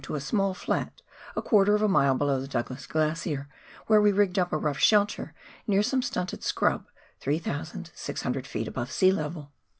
to a small flat a quarter of a mile below the Douglas Glacier, where we rigged up a rough shelter near some stunted scrub, 3,600 ft, above sea level.